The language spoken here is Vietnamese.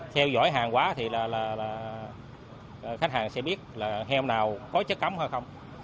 theo dõi hàng quá thì là khách hàng sẽ biết là heo nào có chất cấm hay không